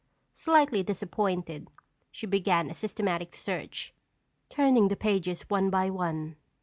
Slightly disappointed, she began a systematic search, turning the pages one by one.